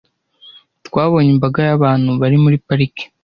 Twabonye imbaga y'abantu bari muri parike.